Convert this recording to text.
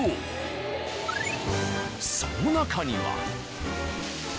その中には。